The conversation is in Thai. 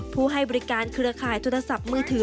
ก็ให้บริการเคราะห์คายสื่อโทรศัพท์มือถือ